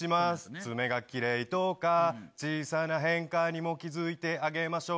爪がきれいとか、小さな変化にも気付いてあげましょう。